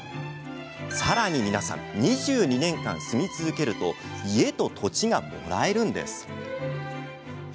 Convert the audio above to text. さらに２２年間住み続けると家と土地がもらえるのです。